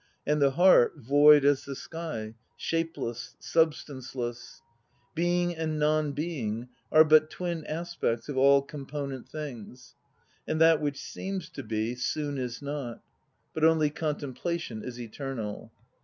And the heart void, as the sky; shapeless, substanceless ! Being and non being Are but twin aspects of all component things. And that which seems to be, soon is not. But only contemplation is eternal."